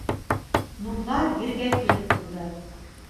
Нурҙар Ергә килеп ҡунды.